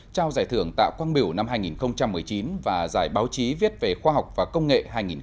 trao giải thưởng tạo quang biểu năm hai nghìn một mươi chín và giải báo chí viết về khoa học và công nghệ hai nghìn một mươi chín